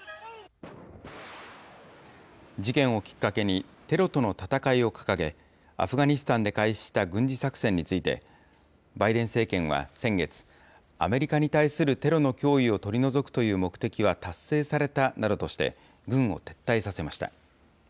事件をきっかけに、テロとの戦いを掲げ、アフガニスタンで開始した軍事作戦について、バイデン政権は先月、アメリカに対するテロの脅威を取り除くという目的は達成されたなどとして、軍を撤退させました。